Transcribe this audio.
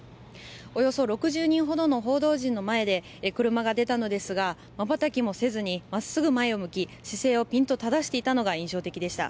およそ６０人ほどの報道陣の前で車が出たのですが瞬きもせずにまっすぐ前を向き姿勢をピンと正していたのが印象的でした。